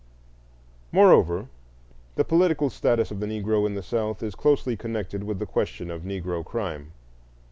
Moreover, the political status of the Negro in the South is closely connected with the question of Negro crime.